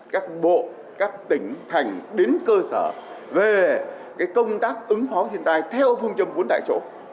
các bộ các tỉnh thành đến cơ sở về công tác ứng phó thiên tai theo phương châm bốn tại chỗ